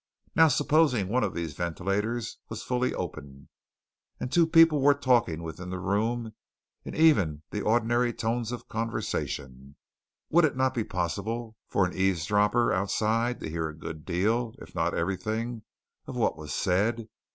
Now, supposing one of these ventilators was fully open, and two people were talking within the room in even the ordinary tones of conversation would it not be possible for an eavesdropper outside to hear a good deal, if not everything, of what was said?